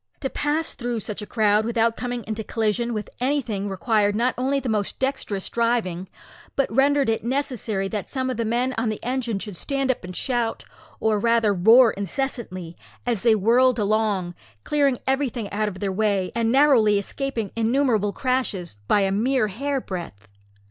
To pass through such a crowd without coming into collision with anything required not only the most dexterous driving, but rendered it necessary that some of the men on the engine should stand up and shout, or rather roar incessantly, as they whirled along, clearing everything out of their way, and narrowly escaping innumerable crashes by a mere hairbreadth.